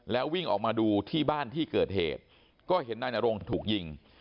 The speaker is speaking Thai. แล้ววิ่งออกมาดูที่บ้านที่เกิดเหตุก็เห็นนายนรงถูกยิง